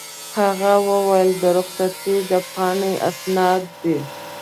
هغه وویل: د رخصتۍ د پاڼې اسناد دي.